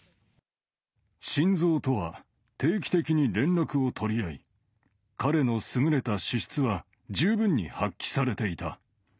シンゾウとは定期的に連絡を取り合い、彼の優れた資質は十分に発揮されていた。